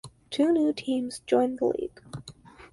Two new teams joined the league.